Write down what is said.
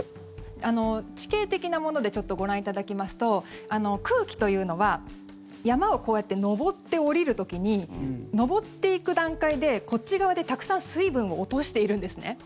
地形的なものでご覧いただきますと空気というのは山をこうやって上って下りる時に上っていく段階でこっち側でたくさん水分を落としているんですね。